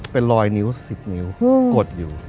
เป็นรอยนิ้ว๑๐นิ้วกดอยู่